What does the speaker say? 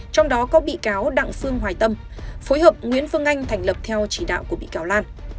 trong đó có bị cáo đặng phương hoài tâm phối hợp nguyễn phương anh thành lập theo chỉ đạo của bị cáo lan